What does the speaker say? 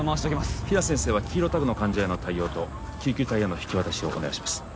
比奈先生は黄色タグの患者への対応と救急隊への引き渡しをお願いします